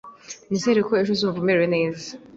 Nizere ko ejo uzumva umerewe neza.